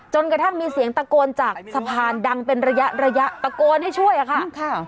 กระทั่งมีเสียงตะโกนจากสะพานดังเป็นระยะระยะตะโกนให้ช่วยอะค่ะ